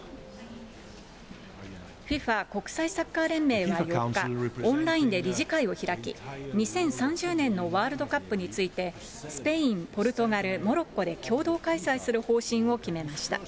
ＦＩＦＡ・国際サッカー連盟は４日、オンラインで理事会を開き、２０３０年のワールドカップについて、スペイン、ポルトガル、モロッコで共同開催する方針を決めました。